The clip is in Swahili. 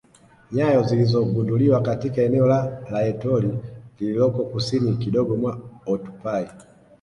Nyayo zilizogunduliwa katika eneo la Laetoli lililoko kusini kidogo mwa Oltupai